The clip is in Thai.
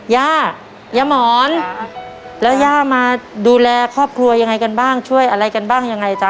ย่าย่าหมอนแล้วย่ามาดูแลครอบครัวยังไงกันบ้างช่วยอะไรกันบ้างยังไงจ๊ะ